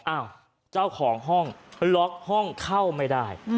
อ้าวเจ้าของห้องล็อกห้องเข้าไม่ได้